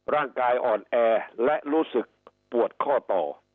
ร่างกายอ่อนแอและรู้สึกปวดข้อต่อ